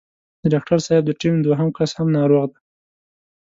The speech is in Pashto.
د ډاکټر صاحب د ټيم دوهم کس هم ناروغ دی.